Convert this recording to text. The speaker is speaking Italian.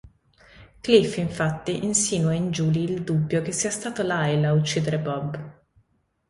Cliff infatti insinua in Julie il dubbio che sia stato Lyle ad uccidere Bob.